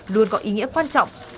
luôn có ý nghĩa quan trọng